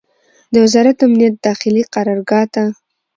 د وزارت امنیت داخلي قرارګاه ته